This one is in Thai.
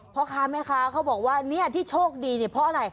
พ่อคาม่้าขาเขาบอกว่านี่ที่โชคดีเพราะอะไร